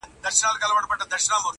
هره چیغه یې رسېږي له کوډلو تر قصرونو -